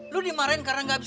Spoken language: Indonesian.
lu dimarahin karena gak bisa